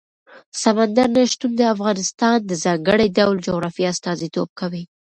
سمندر نه شتون د افغانستان د ځانګړي ډول جغرافیه استازیتوب کوي.